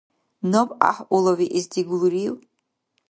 Наб гӀяхӀъулавиэс дигулрив?